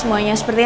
terima kasih reina